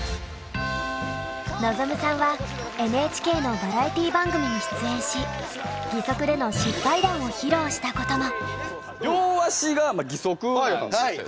望さんはＮＨＫのバラエティー番組に出演し義足での失敗談を披露したことも。